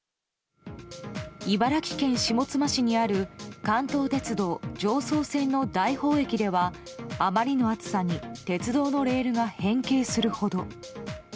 茨城県下妻市にある関東鉄道常総線の大宝駅ではあまりの暑さに鉄道のレールが変形するほど。